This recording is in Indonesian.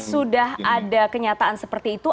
sudah ada kenyataan seperti itu